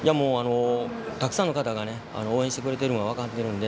たくさんの方が応援してくれてるのは分かってるので。